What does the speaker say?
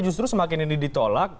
justru semakin ini ditolak